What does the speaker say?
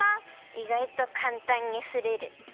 いがいとかんたんにすれる。